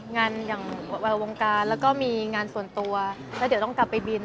งานอย่างวงการแล้วก็มีงานส่วนตัวแล้วเดี๋ยวต้องกลับไปบิน